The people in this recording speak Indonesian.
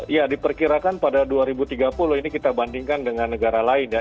ya diperkirakan pada dua ribu tiga puluh ini kita bandingkan dengan negara lain ya